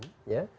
dari tadi pak